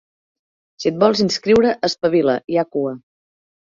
Si et vols inscriure, espavila, hi ha cua.